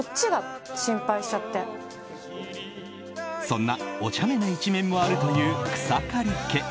そんなおちゃめな一面もあるという草刈家。